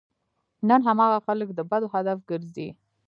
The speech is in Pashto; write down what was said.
نن هماغه خلک د بدو هدف ګرځي.